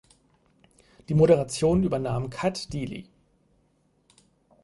Die Moderation übernahm Cat Deeley.